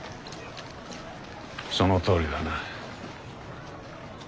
そのとおりだな。